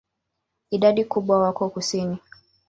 Idadi kubwa wako kusini.